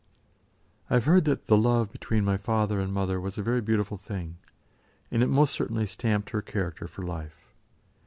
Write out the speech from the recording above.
I have heard that the love between my father and mother was a very beautiful thing, and it most certainly stamped her character for life.